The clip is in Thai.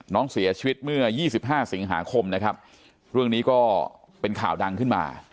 น้องเสียชีวิตเมื่อ๒๕สิงหาคมนะครับเรื่องนี้ก็เป็นข่าวดังขึ้นมา